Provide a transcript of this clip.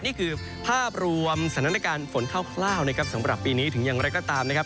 นี่คือภาพรวมสถานการณ์ฝนคร่าวนะครับสำหรับปีนี้ถึงอย่างไรก็ตามนะครับ